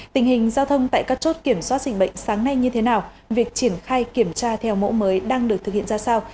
tình hình giao thông tại các chốt kiểm soát dịch bệnh sáng nay như thế nào việc triển khai kiểm tra theo mẫu mới đang được thực hiện ra sao